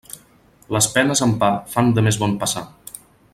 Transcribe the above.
Les penes amb pa fan de més bon passar.